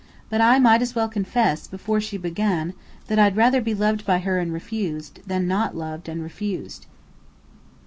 But I might as well confess before she began, that I'd rather be loved by her and refused, than not loved and refused.